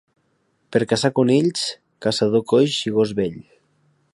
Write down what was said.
Per caçar conills, caçador coix i gos vell.